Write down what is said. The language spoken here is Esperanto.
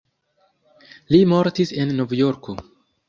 Li mortis en Novjorko.